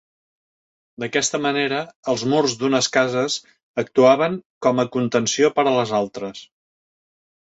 D'aquesta manera, els murs d'unes cases actuaven com a contenció per a les altres.